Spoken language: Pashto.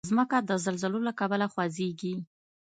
مځکه د زلزلو له کبله خوځېږي.